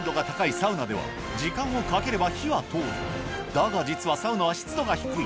だが実はサウナは湿度が低い